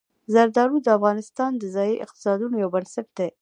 زردالو د افغانستان د ځایي اقتصادونو یو بنسټ دی.